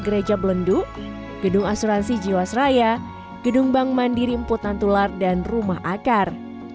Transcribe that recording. gereja belendu gedung asuransi jiwasraya gedung bang mandiri emputan tular dan rumah akar